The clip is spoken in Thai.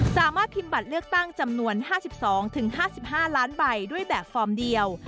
สามารถพิมพ์บัตรเลือกตั้งจำนวน๕๒๕๕ล้านใบด้วยแบบฟอร์มเดียว